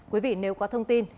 quý vị nếu có thông tin